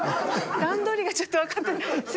段取りがちょっとわかってない。